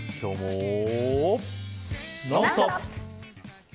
「ノンストップ！」。